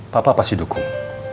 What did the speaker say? papa pasti dukung